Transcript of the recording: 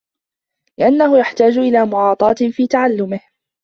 لِأَنَّهُ يَحْتَاجُ إلَى مُعَاطَاةٍ فِي تَعَلُّمِهِ